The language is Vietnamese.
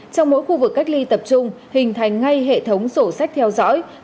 trong mỗi khu vực cách ly tập trung hình thành ngay hệ thống sổ sách theo dõi